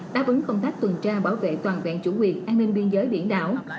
đáp ứng công tác tuần tra bảo vệ toàn vẹn chủ quyền an ninh biên giới biển đảo